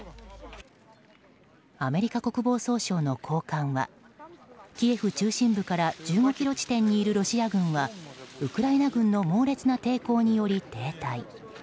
アメリカ国防総省の高官はキエフ中心部から１５ｋｍ地点にいるロシア軍はウクライナ軍の猛烈な抵抗により停滞。